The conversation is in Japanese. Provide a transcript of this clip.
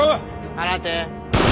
放て。